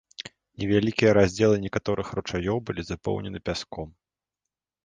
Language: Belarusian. Невялікія раздзелы некаторых ручаёў былі запоўнены пяском.